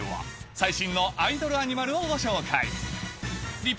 最新のアイドルアニマルをご紹介。